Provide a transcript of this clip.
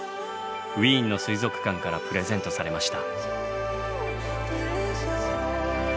ウィーンの水族館からプレゼントされました。